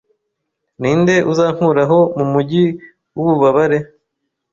Ni nde uzankuraho mu mujyi w'ububabare